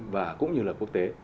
và cũng như là quốc tế